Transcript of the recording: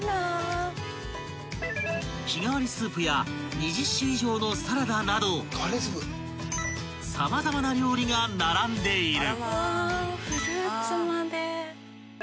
［日替わりスープや２０種以上のサラダなど様々な料理が並んでいる］